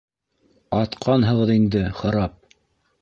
— Атҡанһығыҙ инде, харап!